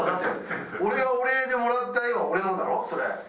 俺がお礼でもらった画は俺のだろそれ。